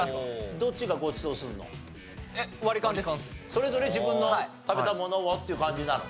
それぞれ自分の食べたものをっていう感じなの？